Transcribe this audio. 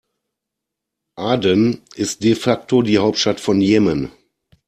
Aden ist de facto die Hauptstadt von Jemen.